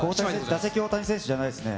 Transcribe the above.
打席、大谷選手じゃないですね。